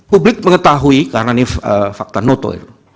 publik mengetahui karena ini fakta noto